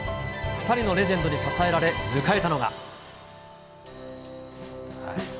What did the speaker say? ２人のレジェンドに支えられ、迎えたのが。